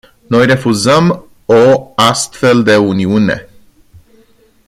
Noi refuzăm o astfel de uniune.